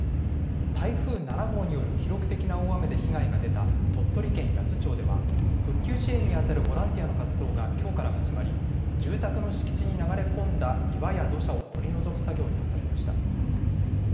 台風７号による記録的な大雨で被害が出た鳥取県八頭町では復旧支援にあたるボランティアの活動がきょうから始まり住宅の敷地に流れ込んだ岩や土砂を取り除く作業にあたりました。